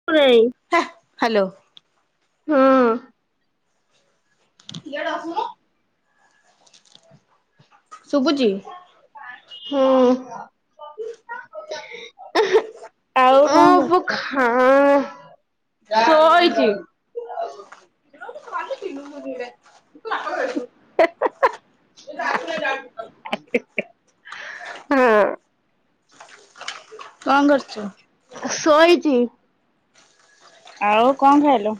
[inaudible] ହା -ହ୍ୟାଲୋ ହଁ। ଇଆଡେଆସୁନୁ। ଶୁବୁଚି। ହୁଁ ହେଁ ଉଁ ଆଉ ଭୋକ। କଣ କରୁଛ? ହଁ ଅଁ ଶୋଇଚି। କ ୁ ମୁଝରେ [inaudible] ଆମେ ଗାଡିନବୁ। କଣ କରୁଚୁ? ଶୋଇଚି। ଆଉ କଣ ଖାଇଲୁ?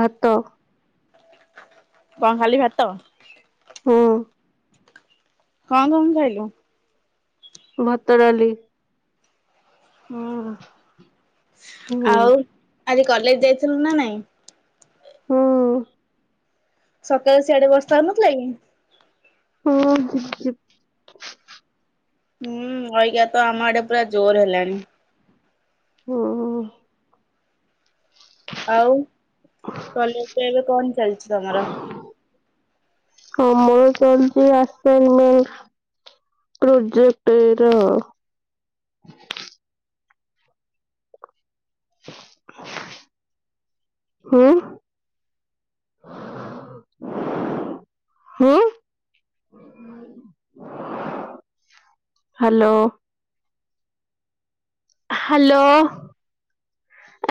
ଭାତ। କଣ ଖାଲି ଭାତ? ହୁଁ। କଣ କଣ ଖାଇଲୁ? ଭାତ ଡାଲି। ହୁଁ ହୁଁ ଆଉ ଆଜି କଲେଜ ଯାଇଥିଲୁ ନା ନାଇଁ? ହୁଁ। ସକାଳେ ସିଆଡେ ବର୍ଷା ହୋଉନଥିଲା କି? ହୁଁ ଖୁସ୍ ସିପ୍। ହୁଁ ଅଇକାତ ଆମ ଆଡେ ପୁରା ଜୋରେ ହେଲାଣି। ହୁଁ। ଆଉ କଲେଜରେ ଏବେ କଣ ଚାଲିଚି ତମର? କମଳ ଚାଲିଚି ଆସିନି। ପ୍ରୋଜେକ୍ଟେର। ହ [inaudible] ହୁଁ। ହୁଁ। ହାଲୋ। ହାଲୋ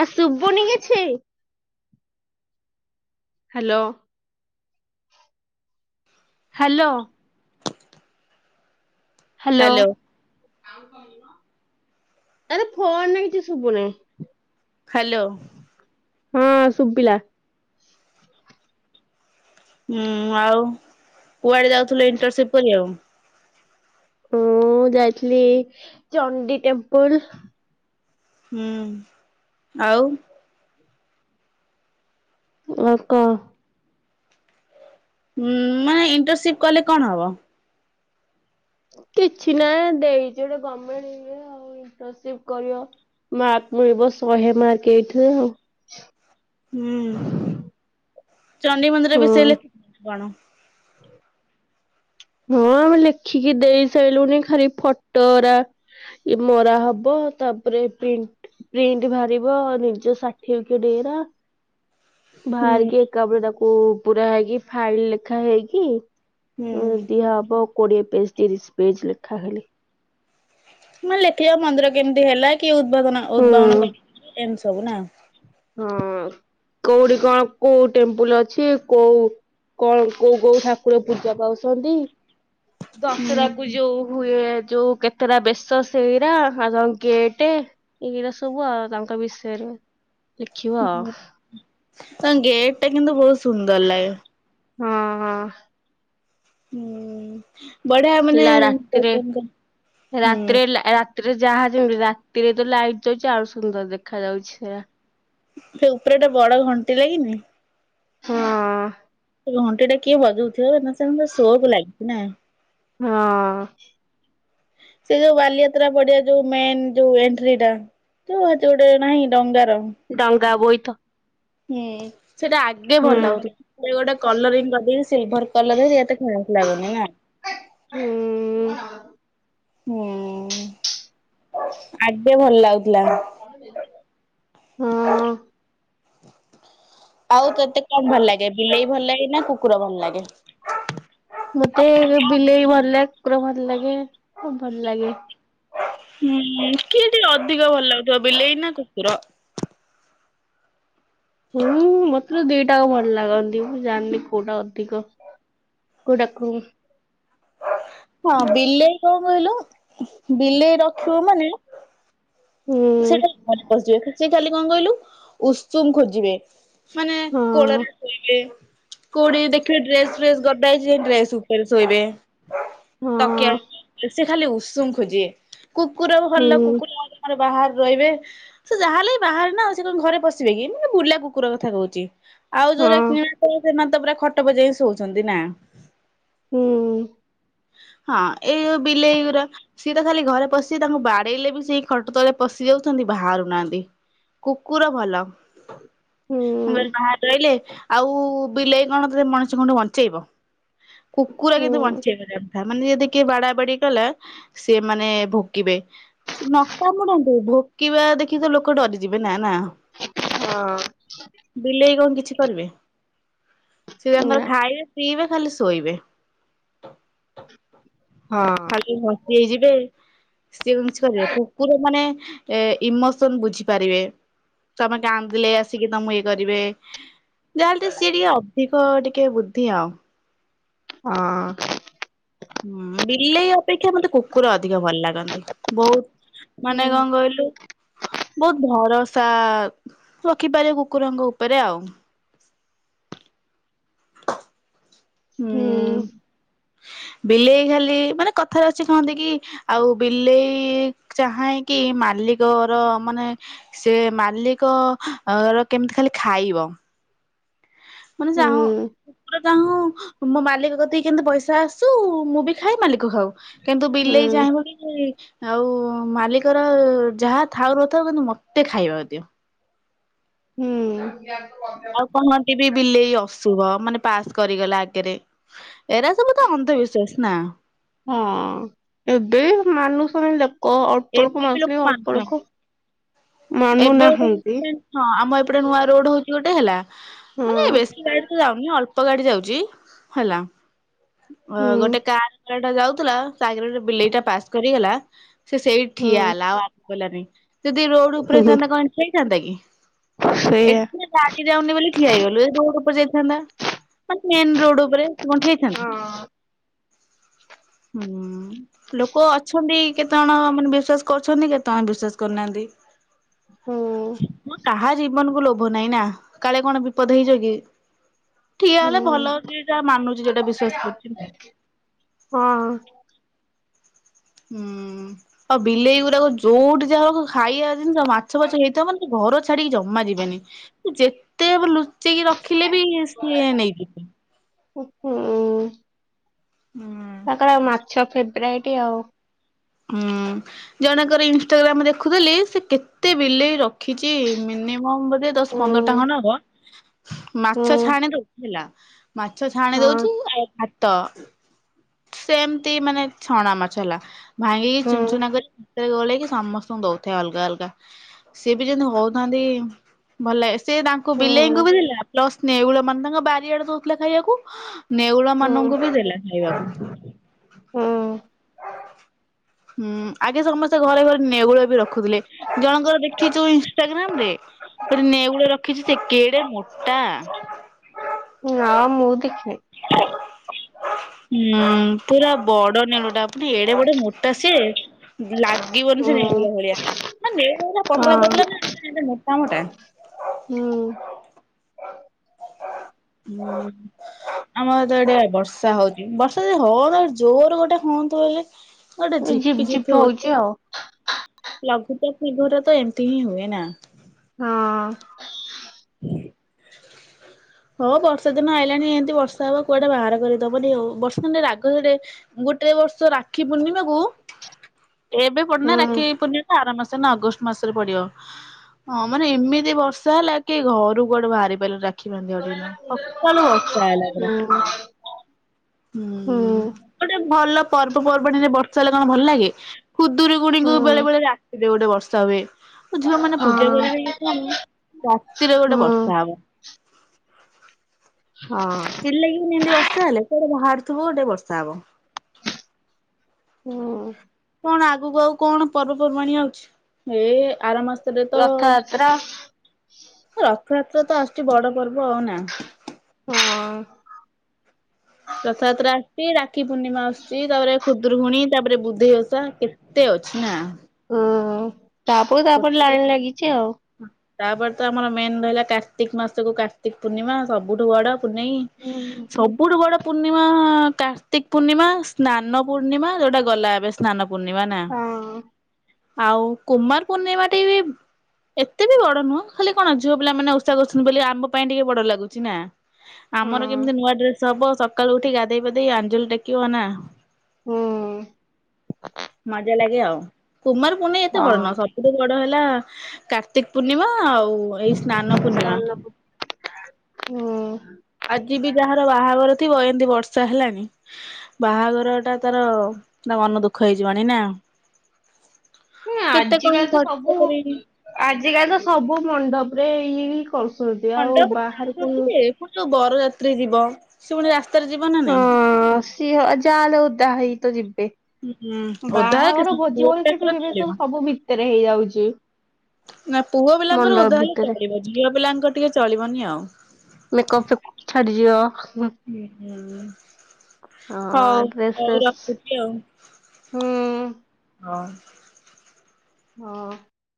ଆ ଶୁବୁନି କିଛି। ହାଲୋ। ହାଲୋ। ହାଲୋ। ହ୍ୟାଲୋ ଆରେ ଫୋନରେ କିଛି ଶୁଭୁନେହିଁ। ହାଲୋ। ହଁ ଶୁବିଲା। ହୁଁ ଆଉ କୁଆଡେ ଯାଉଥୁଲୁ ଇଣ୍ଟରସିପ୍ କରିବାକୁ? ମୁଁ ଯାଇଥିଲି ଚଣ୍ଡୀ ଟେମ୍ପୁଲ୍। ହୁଁ ଆଉ ଅ କ [inaudible] ଉଁ ମାନେ ଇଣ୍ଟରସିପ୍ କଲେ କଣ ହବ? କିଛି ନାଇଁ ଦେଇଚି ଗୋଟେ ଗମେଣ୍ଟ ଇଏ ଆଉ। ଇଣ୍ଟରସିପ୍ କରିବ ମାର୍କ ମିଳିବ ଶହେ ମାର୍କ ଏଇଠୁ ଆଉ। ହୁଁ ଚଣ୍ଡି ମନ୍ଦିର ହଁ ବିଷେଇଲେ। କଣ? ହଁ ଆମେ ଲେଖିକି ଦେଇ ସାଇଲୁଣି ଖାଲି ଫଟରା ଇ ମରା ହବ ତାପରେ ପ୍ରିଣ୍ଟ ପ୍ରିଣ୍ଟ ବାହାରିବ ନିଜ ସାର୍ଟିଫିକେଟ ଇରା। [inaudible] ବାହାରିକି ଏକାବେଳେ ତାକୁ ପୁରା ହେଇକି ଫାଇଲ ଲେଖା ହେଇକି ହୁଁ। ଉଁ ଇଏ ହବ କୋଡିଏ ପେଜ୍ ତିରିଶ ପେଜ୍ ଲେଖା ହେଲେ। ମାନେ ଲେଖିବ ମନ୍ଦିର କେମିତି ହେଲା କି ଉଦ୍ଭାବନ ଉଦ୍ଭାବନ ହୁଁ। କର ଏମିତି ସବୁ ନାଁ। ହଁ କୋଉଠି କଣ କୋଉ ଟେମ୍ପଲ ଅଛି କୋଉ କଣ କୋଉ କୋଉ ଠାକୁର ପୂଜା ପାଉଚନ୍ତି ହୁଁ ଦଶରାକୁ ଯୋଉ ହୁଏ ଯୋଉ କେତେଟା ବେଶ ସେଇରା ଆଉ କଣ ଗେଟେ ଏଇରା ସବୁ ଆଉ ତାଙ୍କ ବିଷୟରେ ଲେଖିବ ଉଁ ଆଉ ହୁଁତାଙ୍କ ଗେଟ୍ ଟା କିନ୍ତୁ ବୋହୁତ ସୁନ୍ଦର ଲାଗେ। ହଁ ହଁ। ହୁଁ ବଢିଆ ମାନେ ଲା ରାତିରେ [unintelligible] ହୁଁ ରାତିରେ ଲା ରାତିରେ ଯାହା ଯେମିତି ରାତିରେ ତ ଲାଇଟ୍ ଦେଇଚି ଆଉ ସୁନ୍ଦର ଦେଖାଯାଉଛି ହେରା। ସେ ଉପରେ ଗୋଟେ ବଡ ଘଣ୍ଟି ଲାଗିନି। ହଁ। ଘଣ୍ଟାଟା କିଏ ବଜୋଉଥିବ ନା ସେମିତିଆ ଶୋ କୁ ଲାଗିଚି ନା। ହଁ। ସେ ଯୋଉ ବାଲିଯାତ୍ରା ପଡିଆ ଯୋଉ ମେନ୍ ଯୋଉ ଏଣ୍ଟ୍ରିଟା। ତ ହେଟି ଗୋଟେ ନାହିଁ ଡଙ୍ଗାର ଡଙ୍ଗ ବୋଇତ ହୁଁ ସେଟା ଆଗେ ହୁଁ ଭଲ ଲାଗୁଥି ଖାଲି ଗୋଟେ କଲରିଂ କରିଦେଇବି ସିଲଭର୍ କଲରରେ ବି ଏତେ ଖାସ୍ ଲାଗୁନି ନା। ହୁଁ ହୁଁ ଆଗେ ଭଲ ଲାଗୁଥିଲା। ହଁ। ଆଉ ତତେ କଣ ଭଲ ଲାଗେ ବିଲେଇ ଭଲ ଲାଗେ ନା କୁକୁର ଭଲ ଲାଗେ? ମତେ ବିଲେଇ ଭଲ ଲାଗେ କୁକୁର ଭଲ ଲାଗେ ସବୁ ଭଲ ଲାଗେ। ହୁଁ କିଏ ଟିକେ ଅଧିକ ଭଲ ଲାଗୁଥିବ ବିଲେଇ ନା କୁକୁର? ହୁଁ ମତେ ଦିଇଟାଙ୍କ ଭଲ ଲାଗନ୍ତି। ମୁଁ ଜାଣିନି କୋଉଟା ଅଧିକ କୋଉଟା କମ୍। ହଁ ବିଲେଇ କଣ କହିଲୁ ବିଲେଇ ରଖିବୁ ମାନେ ସେ ହୁଁ ଖାଲି ଘରେ ପସି ଯିବେ। ସେ ଖାଲି କଣ କହିଲୁ ଉସୁମ ଖୋଜିବେ। ମାନେ ହଁ କୋଳରେ ଶୋଇବେ। କୋଉଠି ଦେଖିବେ ଡ୍ରେସ ଫ୍ରେସ୍ ଗ ଦା ହେଇଚି ଡ୍ରେସ୍ ଉପରେ ଶୋଇବେ। ହଁ ତକିଆ [unintelligible] ସେ ଖାଲି ଉଷୁମ ଖୋଜିବେ। କୁକୁର ଭଲ ହୁଁ କୁକୁର ସେମାନେ ବାହାରେ ରହିବେ। ସେ ଯାହା ହେଲେ ବି ବାହାରେ ନା ସେ କଣ ଘରେ ପଶିବେ କି ଏ ମାନେ ବୁଲା କୁକୁର କଥା କୋହୁଚି। ଆଉ ହଁ ଯୋଉରା କିଣା ସବୁ ସେମାନେ ତ ଖଟ ଉପରେ ଜାଇକି ଶୋଉଚିନ୍ତି ନା। ହୁଁ। ହଁ ଏଇ ଯୋଉ ବିଲେଇଗୁରା ସିଏତ ଖାଲି ଘରେ ପଶି ତାଙ୍କୁ ବାଡେଇଲେ ବି ସେଇ ଖଟ ତଳେ ପଶି ଯାଉଚନ୍ତି ବାହାରୁ ନାହାନ୍ତି କୁକୁର ଭଲ।। ହୁଁ ମୁଁ କହିଲି ବାହାରେ ରହିଲେ ଆଉ ବିଲେଇ କଣ ତତେ ମଣିଷ କଂଠୁ ବଞ୍ଚେଇବ। କୁକୁର କିନ୍ତୁ ହୁଁ ବଞ୍ଚେଇ ପାରିବ କଥା। ମାନେ ଯଦି କିଏ ବାଡା ବାଡି କଲା। ସସିଏ ମାନେ ଭୁକିବେ। ସେ ନ ଭୋ-ଭୋ-ଭୋ-ଭୋକିବା ଦେଖିକି ତ ଲୋକ ଡରିଯିବେ ନା ନା। ହଁ। ବିଲେଇ କଣ କିଛି କରିବେ? ସେ ତାଙ୍କର ନା ଖାଇବେ ପିଇବେ ଖାଲି ଶୋଇବେ। ହଁ। ଖାଲି ଘସି ହେଇଯିବେ। ସିଏ କଣ କିଛି କରିବେ କୁ କୁକୁର ମାନେ ଏ ଇମୋସନ ବୁଝି ପାରିବେ। ତମେ କାନ୍ଦିଲେ ଆସିକି ତମକୁ ଇଏ କରିବେ। ଯାହାହେଲେ ଟିକେ ସିଏ ଟିକେ ଅଧିକ ଟିକେ ବୁଦ୍ଧି ଆଉ। ହଁ। ହୁଁ ବିଲେଇ ଅପେକ୍ଷା ମତେ କୁକୁର ଅଧିକ ଭଲ ଲାଗନ୍ତି ବହୁତ। ହଁ ମାନେ କଣ କହିଲୁ ବହୁତ ଭରସା ରଖିପାରିବ କୁକୁରଙ୍କ ଉପରେ ଆଉ। ହୁଁ ବିଲେଇ ଖାଲି ମାନେ କଥାରେ ଅଛି କହନ୍ତି କି ଆଉ ବିଲେଇ ଚାହେଁକି ମାଲିକ ର ମାନେ ସେ ମାଲିକ ର କେମିତି ଖାଲି ଖାଇବ। ମାନେ ହୁଁ ଚାହଁ କୁକୁର ଚାହୁଁ ମୋ ମାଲିକ କତିକି କେମିତି ପଇସା ଆସୁ ମୁଁ ବି ଖାଏ ମାଲିକ ଖାଉ। କିନ୍ତୁ ବିଲେଇ ହୁଁ ଚାହିଁବ କି ଆଉ ମାଲିକର ଯାହା ଥାଉ ନଥାଉ କିନ୍ତୁ ମୋତେ ଖାଇବାକୁ ଦିଅ। ହୁଁ। ଆଉ କହନ୍ତି ବି ବିଲେଇ ଅଶୁଭ ମାନେ ପାସ୍ କରିଗଲା ଆଗରେ। ଏରା ସବୁ ତ ଅନ୍ଧବିଶ୍ୱାସ ନା। ହଁ ଏବେ ବି ମାନୁସନ୍ତି ଲୋ କ ଅଳ୍ପ ଲୋକ ଏବେ ବି ମାନୁଛନ୍ତି ଅଳ୍ପ ମାନୁଛନ୍ତି। ଲୋକ। ଏବେ ମାନୁନାହାନ୍ତି ଗୋଟେ ହଁ ଆମ ଏପଟେ ନୂଆ ରୋଡ ହଉଛି ଗୋଟେ ହେଲା। ମାନେ ହଁ। ବେଶୀ ଗାଡି ତ ଯାଉନି ଅଳ୍ପ ଗାଡି ଯାଉଛି ହେଲା। ଅ ହୁଁ ଗୋଟେ କାର ବାଲାଟା ଯାଉଥିଲା ତା ଆଗରେ ଗୋଟେ ବିଲେଇଟା ପାସ୍ କରିଗଲା ସେ ସେଇଠି ଠିଆ ହୁଁ ହେଲା ଆଉ ଆସିପାରିଲାନି। ଯଦି ରୋଡ ଉପରେ ହେଇଥାନ୍ତା କଣ ହେଇଠୀ ଠିଆହେଇଥାନ୍ତା କି। ସେଇଆ। ଏଠି ଗାଡି ଯାଉନି ବୋଲି ଠିଆ ହେଇଗଲୁ ଏ ରୋଡ ଉପରେ ଯାଇଥାନ୍ତା। ମାନେ ମେନ ରୋଡ ଉପରେ ତୁ କଣ ଠିଆ ହେଇଥାଆନ୍ତୁ। ହୁଁ ଲୋକ ଅଛନ୍ତି କେତେ ଜଣ ମାନେ ବିଶ୍ୱାସ କରୁଛନ୍ତି କେତେ ଜଣ ବିଶ୍ୱାସ କରୁନାହାନ୍ତି। ହୁଁ କାହା ଜୀବନକୁ ଲୋଭ ନାହିଁ ନା କାଳେ କଣ ବିପଦ ହେଇଯିବ କି ଠିଆ ହେଲେ ଭଲ ହୁଁ ଯିଏ ଯାହା ମାନୁଛି ଯଉଟା ବିଶ୍ଵାସ କରୁଛି। ହଁ। ହୁଁ ଆଉ ବିଲେଇ ଗୁଡାକ ଯୋଉଠି ଯାହା ହବ ଖାଇବା ଜିନିଷ ମାଛ ଫାଛ ହେଇଥିବ ମାନେ ଘର ଛାଡିକି ଜମା ଯିବେନି ଯେତେ ଲୁ ଲୁଚେଇକି ରଖିଲେ ବି ସିଏ ନେଇଯିବେ। ହୁଁ ହୁଁ। ହୁଁ। ତାଙ୍କର ଆଉ ମାଛ ଫେବ୍ରେରାଇଟି ଆଉ। ହୁଁ ଜଣଙ୍କର ଇନଷ୍ଟାଗ୍ରାମ ଦେଖୁଥିଲି ସେ କେତେ ଏତେ ବିଲେଇ ରଖିଛି ମିନିମମ ବୋଧେ ଦଶ ହୁଁ ପନ୍ଦର ଟା ଖଣ୍ଡେ ହବ। ହୁଁ ମାଛ ଛାଣି ଦଉଛି ହେଲା। ମାଛ ଛାଣି ହଁ ଦଉଛି ଆଉ ଭାତ। ସେମତି ମାନେ ଛଣା ମାଛ ହେଲା ଭାଙ୍ଗିକି ହୁଁ। ଚୁନ ଚୁନା କରି ରେ ଗୋଳେଇକି ସମସ୍ତଙ୍କୁ ଦଉଥାଏ ଅଲଗା ଅଲଗା। ସିଏ ବି ଯେମିତି ହଉଥାନ୍ତି ଭଲ ଲାଗେ ସେ ତାଙ୍କୁ ହୁଁ ବିଲେଇଙ୍କୁ ବି ଦେଲା ପ୍ଲସ୍ ନେଉଳ ମାନେ ତାଙ୍କ ବାରିଆଡେ ଦଉଥିଲା ଖାଇବାକୁ ନେଉଳ ହୁଁ ମାନଙ୍କୁ ବି ଦେଲା ଖାଇବାକୁ। ହୁଁ। ହୁଁ ଆଗେ ସମସ୍ତେ ଘରେ ଘରେ ନେଉଳ ବି ରଖୁଥିଲେ। ଜଣଙ୍କର ଦେଖୁଛୁ ଇନସଷ୍ଟାଗ୍ରାମରେ ନେଉଳ ରଖିଛି ସେ କେଡ଼େ ମୋଟା। ନା ମୁଁ ଦେଖିନି। ହ [inaudible] ହୁଁ ପୁରା ବଡ଼ ନେଉଳଟା ପୁଣି ଏଡ଼େ ବଡ଼ ମୋଟା ସିଏ। ଲାଗିବନି ସେ ହୁଁ ନେଉଳ ଭଳିଆ ନା ନେଉଳ ଗୁଡ଼ାକ ପତଳା ହଁ ପତଲ ନା ମୋଟା ମୋଟା ହୁଁ। ହୁଁ। ଆମର ତ ଏଟେ ବର୍ଷା ହଉଛି ବର୍ଷା ଯଦି ହଉଚି ଜୋର ଗୋଟେ ହୁଅନ୍ତା। ଗୋଟେ ଝିପି ଝିପି ଗୋଟେ। ହଉ। ଲଘୁଚାପ ପୂର୍ବରୁ ତ ଏମିତି ହିଁ ହୁଏ ନା। ହଁ। ହଁ [inaudible] ହଁ ବର୍ଷା ଦିନ ଆଇଲାଣି ଏମିତି ବର୍ଷା ହବ କୁଆଡ଼େ ବାହାର କରିଦବନି ଆଉ ବର୍ଷା ଦିନ ରାଗ ଗୋଟେ ଗୋଟେ ବର୍ଷ ରାକ୍ଷୀ ପୂର୍ଣ୍ଣିମାକୁ ଏବେ ପର୍ଯ୍ୟନ୍ତ ହଁ ରାକ୍ଷୀ ପୂର୍ଣ୍ଣିମା ଆର ମାସ ନା ଅଗଷ୍ଟ ମାସରେ ପଡ଼ିବ ହଁ ମାନେ ଏମିତି ବର୍ଷା ହେଲା କି ଘରୁ କୁଆଡ଼େ ବାହାରି ପାରିଲୁଣି ରାକ୍ଷୀ ବାନ୍ଧିବା ଦିନ ସକାଳୁ ବର୍ଷା ହେଲା ପୁରା। ହୁଁ ହୁଁ ଗୋଟେ ଭଲ ପର୍ବପର୍ବାଣିରେ ବର୍ଷ ହେଲେ କଣ ଭଲ ଲାଗେ ଖୁଦୁରିକୁଣିଙ୍କୁ ହୁଁ ବେଳେ ବଳେ ରାତିରେ ଗୋଟେ ବର୍ଷା ହୁଏ। ଝିଅ ମାନେ ହଁ ପୂଜା କରିବେ କି କଣ। ରାତିରେ ଗୋଟେ ହୁଁ ବର୍ଷା ହବ। ହଁ ଲାଗ ବି ନିନ୍ତିତି ବର୍ଷା ହେଲେ କୁଆଟେ ବାହାରୁଥିବ ଗୋଟେ ବର୍ଷା ହବ [inaudible] ହଁ। କଣ ଆଗକୁ ଆଉ କଣ ପର୍ବପର୍ବାଣି ଆଉଛି ଏ ଆର ମାସ ଏବେ ତ ରଥଯାତ୍ରା ରଥଯାତ୍ରା ତ ଆସୁଛି ବଡ଼ ପର୍ବ ଆଉ ନା ହଁ। ରଥଯାତ୍ରା ଆସୁଛି ରାକ୍ଷୀ ପୂର୍ଣ୍ଣିମା ଆସୁଛି ତାପରେ ଖୁଦୁରକୁୁଣୀ ତାପରେ ବୁଦ୍ଧି ଓଷା କେ କେତେ ଅଛି ନା। ଉଁ ହୁଁ ତାପରେ ଗୋଟେ ତାପରେ ପରେ ଲାଇନ୍ ଲାଗିଛି ଆଉ। ତାପରେ ତ ଆମର ମେନ୍ ରହିଲା କାର୍ତ୍ତିକ ମାସକୁ କାର୍ତିକ ପୂର୍ଣ୍ଣିମା ସବୁଠୁ ବଡ଼ ପୂନେଇ ସବୁ ସଉଠୁ ବଡ଼ ପୂର୍ଣ୍ଣିମା କାର୍ତ୍ତିକ ପୂର୍ଣ୍ଣିମା ସ୍ନାନ ପୂର୍ଣ୍ଣିମା ଯଉଟା ଗଲା ଏବେ। ସ୍ନାନ ପୂର୍ଣ୍ଣିମା ନା ହଁ ଆଉ କୁମାର ପୂର୍ଣ୍ଣିମା ଟିକେ ଏତେ ବି ବଡ଼ ନୁହଁ ଖାଲି କଣ ଝିଅ ପିଲାମାନେେ ଉଷା କରୁଛନ୍ତି ବୋଲି ଆମ ପାଇଁ ଟିକେ ବଡ଼ ଲାଗୁଛି ନା। ହଁ। ଆମର କେମିତି ନୂଆ ଡ୍ରେସ୍ ହବ ସକାଳୁ ଉଠି ଗାଧେଇ ପାଧେଇ ଆଞ୍ଜଳି ଟେକିବ ନା। ହୁଁ ମଜା ଲାଗେ ଆଉ କୁମାର ପୂର୍ଣ୍ଣିମା ଏତେ ବଡ଼ ହଁ। ନୁହ ସବୁଠୁ ବଡ଼ ହେଲା କାର୍ତିକ ପୂର୍ଣ୍ଣିମା ଆଉ ଏଇ ସ୍ନାନ ସ୍ ପୂର୍ଣ୍ଣିମା ନବ ହୁଁ [inaudible] ଆଜି ବି ଯାହାର ବାହାଘର ଥିବ ଏମିତି ବର୍ଷା ହେଲାଣି। ବାହାଘର ଟା ତାର ମନ ଦୁଃଖ ହେଇଯିବଣି ନା କେତେ କଣ ଆଜିକାଲି ତ ସବୁ ଖର୍ଚ୍ଚ କରିକି ଆଜିକାଲି ତ ସବୁ ମଣ୍ଡପରେ ଇଏ କରୁଛନ୍ତି ଆଉ ମଣ୍ଡପ ବାହାରକୁ ଯାଉଛନ୍ତି ଯେ ଯୋଉ ବରଯାତ୍ରୀ ଯିବ ସେ ପୁଣି ରାସ୍ତାରେ ଯିବ ନା ନାଇଁ କି ଯାହାହେଲେ ଓଦା ହେଇତ ଜିିବେ। ହୁଁ ଓଦା ବାହାଘର ହେଇ ଭୋଜି ପୁଅ ଭଳିିକି, ସବୁ ପିଲାଙ୍କର ଏ ସବୁ ଚଳିବ ସବୁ ଭିତରେ ହେଇଯାଉଛି। ନା ପୁଅ ପିଲାଙ୍କର ମଣ୍ଡପ ଓଦା ହେଲେ ଭିତରେ ଚଳିବ। ଝିଅ ପିଲାଙ୍କର ଟିକେ ଚଳିବନି ଆଉ। ମେକପ୍ ଫେକପ୍ ଛାଡିଯିବ। ହୁଁ ହୁଁ। ହଉ ହଁ ଡ୍ରେସ ହଉ ଫ୍ରେସ୍, ରଖୁଛି ହୁଁ। ହଁ। ହଁ।